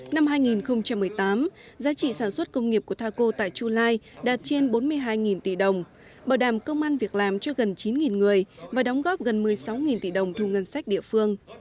năm hai nghìn một mươi tám giá trị sản xuất công nghiệp của thaco tại chu lai đạt trên bốn mươi hai tỷ đồng bảo đảm công an việc làm cho gần chín người và đóng góp gần một mươi sáu tỷ đồng thu ngân sách địa phương